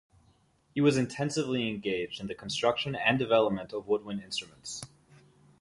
He was intensively engaged in the construction and development of woodwind instruments.